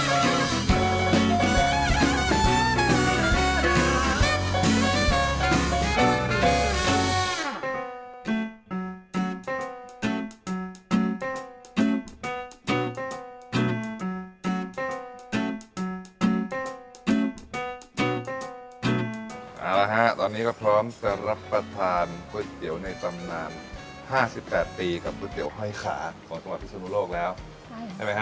เอาละฮะตอนนี้ก็พร้อมจะรับประทานก๋วยเตี๋ยวในตำนาน๕๘ปีกับก๋วยเตี๋ยวห้อยขาของจังหวัดพิศนุโลกแล้วใช่ไหมฮะ